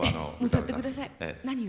歌ってください。何を？